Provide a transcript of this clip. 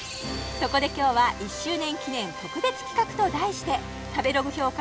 そこで今日は１周年記念特別企画と題して食べログ評価